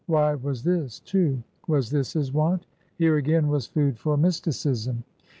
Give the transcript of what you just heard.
Why was this, too? Was this his wont? Here, again, was food for mysticism.